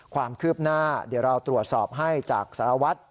ความคืบหน้าเดี๋ยวเราตรวจสอบให้จากสารวัตร